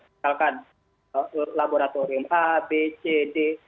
misalkan laboratorium a b c d